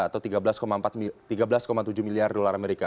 atau tiga belas tujuh miliar dolar amerika